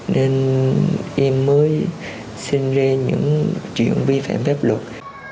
nên em mới xin lê những chuyện vi phạm phép luật